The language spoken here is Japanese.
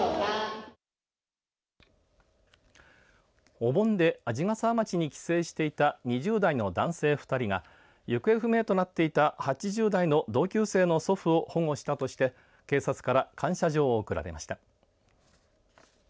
お盆で鰺ヶ沢町に帰省していた２０代の男性２人が行方不明となっていた８０代の同級生の祖父を保護したとして警察から感謝状を贈られました。